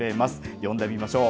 呼んでみましょう。